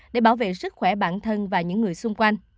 để bảo vệ sức khỏe bản thân và những người xung quanh